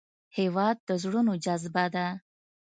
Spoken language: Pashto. هېواد د زړونو جذبه ده.